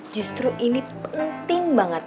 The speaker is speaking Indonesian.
justru ini penting banget